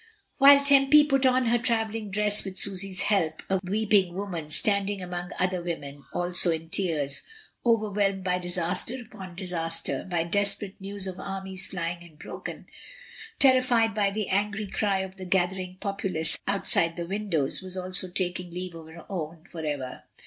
While Tempy put on her travelling dress with Susy's help, a weeping woman, standing among other women, also in tears, overwhelmed by disaster upon disaster, by desperate news of armies flying and broken, terrified by the angry cry of the gather ing populace outside the windows, was also taking leave of her home for ever.